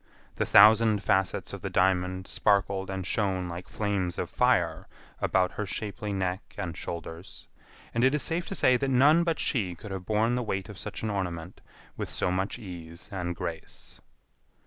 The thousand facets of the diamond sparkled and shone like flames of fire about her shapely neck and shoulders, and it is safe to say that none but she could have borne the weight of such an ornament with so much ease and grace.